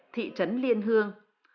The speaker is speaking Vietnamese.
thị trấn liên hương